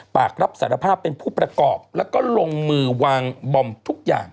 ปากรับสารภาพเป็นผู้ประกอบแล้วก็ลงมือวางบอมทุกอย่าง